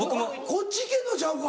こっち行けんのちゃうか？